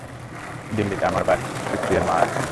দিল্লিতে আমার বাড়ি, স্ত্রী আর মা আছেন।